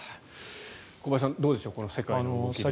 小林さん、どうでしょう世界の動きですが。